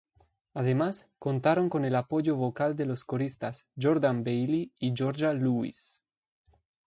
Además, contaron con el apoyo vocal de las coristas Jordan Bailey y Georgia Lewis.